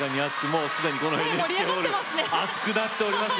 もう既にこのＮＨＫホール熱くなっておりますよ。